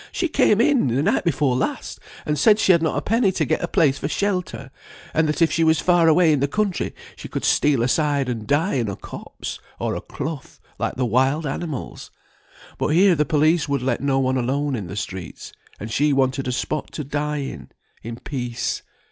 "She came in, the night before last, and said she had not a penny to get a place for shelter; and that if she was far away in the country she could steal aside and die in a copse, or a clough, like the wild animals; but here the police would let no one alone in the streets, and she wanted a spot to die in, in peace.